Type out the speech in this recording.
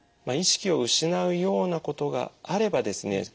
意識を失うようなことがあればですね